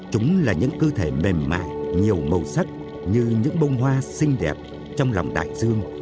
chúng là những cơ thể mềm mại nhiều màu sắc như những bông hoa xinh đẹp trong lòng đại dương